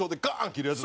切るやつ。